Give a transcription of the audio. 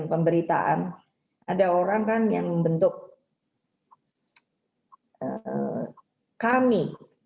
pemberitaan ada orang kan yang membentuk kami